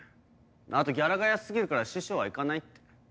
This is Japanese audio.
あとギャラが安過ぎるから師匠は行かないって。